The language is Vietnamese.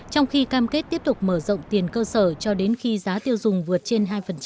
trong khi cam kết tiếp tục mở rộng tiền cơ sở cho đến khi giá tiêu dùng vượt trên hai